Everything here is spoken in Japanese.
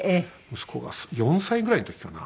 息子が４歳ぐらいの時かな？